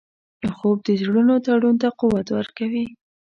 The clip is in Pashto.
خوب د زړونو تړون ته قوت ورکوي